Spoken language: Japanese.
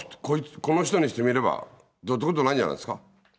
この人にしてみれば、どうってことないんじゃないですか？